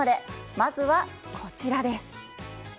まずは、こちらです。